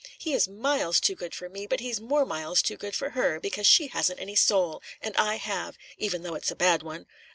"He is miles too good for me, but he's more miles too good for her, because she hasn't any soul, and I have, even though it's a bad one.